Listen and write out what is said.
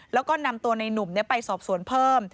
แล้วก็นำตัวในนุ่มไปสอบสวนเพิ่ม